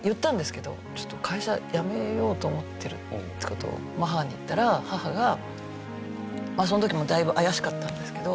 ちょっと会社辞めようと思ってるって事を母に言ったら母がその時もうだいぶ怪しかったんですけど。